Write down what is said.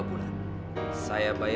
t negara whereinplah kami